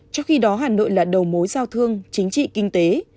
trong khi đó hà nội là đầu mối giao thương chính trị kinh tế